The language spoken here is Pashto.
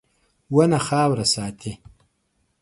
• ونه خاوره ساتي.